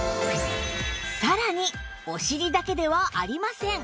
さらにお尻だけではありません！